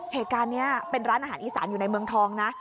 เหตุการณ์นี้เป็นร้านอาหารอีสานอยู่ในเมืองทองนะ